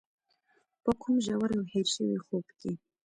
په کوم ژور او هېر شوي خوب کې.